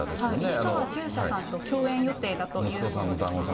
市川中車さんと共演予定だということですね。